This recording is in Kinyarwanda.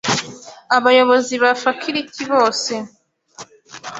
Abayobozi ba faculty bose;